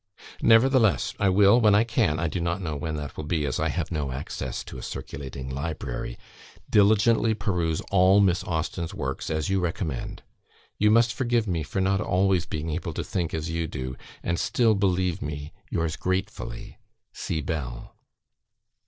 Nevertheless, I will, when I can (I do not know when that will be, as I have no access to a circulating library), diligently peruse all Miss Austen's works, as you recommend. ... You must forgive me for not always being able to think as you do, and still believe me, yours gratefully, C. BELL."